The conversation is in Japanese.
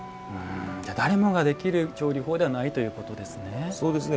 誰もができる調理法ではないということですね。